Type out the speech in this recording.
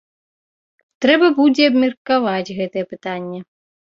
Трэба будзе абмеркаваць гэтае пытанне.